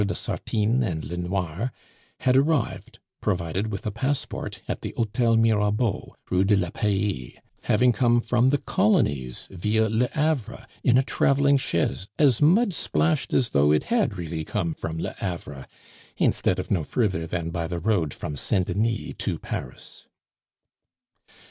de Sartine and Lenoir had arrived, provided with a passport, at the Hotel Mirabeau, Rue de la Paix, having come from the Colonies via le Havre, in a traveling chaise, as mud splashed as though it had really come from le Havre, instead of no further than by the road from Saint Denis to Paris.